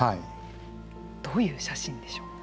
どういう写真でしょう。